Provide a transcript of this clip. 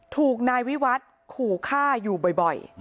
ถูกนายวิวัตรขู่ฆ่าอยู่บ่อย